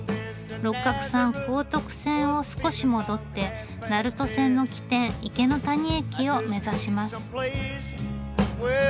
六角さん高徳線を少し戻って鳴門線の起点池谷駅を目指します。